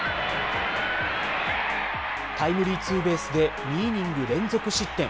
タイムリーツーベースで、２イニング連続失点。